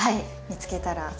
見つけたら。